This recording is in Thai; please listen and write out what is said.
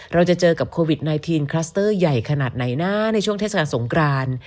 เราจะเจอกับคลัสเตอร์ใหญ่ขนาดไหนน่ะในช่วงสงกราน